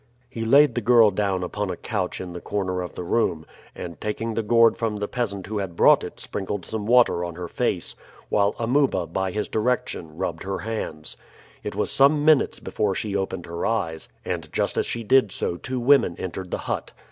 He laid the girl down upon a couch in the corner of the room, and taking the gourd from the peasant who brought it sprinkled some water on her face, while Amuba, by his direction, rubbed her hands. It was some minutes before she opened her eyes, and just as she did so two women entered the hut.